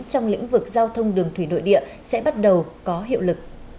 trong lĩnh vực giao thông đường thủy nội địa sẽ bắt đầu có hiệu lực